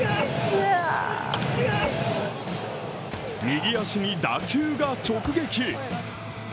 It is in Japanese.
右足に打球が直撃。